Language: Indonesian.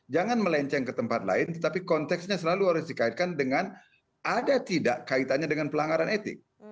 jangan melenceng ke tempat lain tetapi konteksnya selalu harus dikaitkan dengan ada tidak kaitannya dengan pelanggaran etik